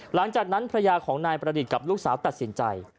หลังจากนั้นภรรยาของนายประดิษฐ์กับลูกสาวตัดสินใจ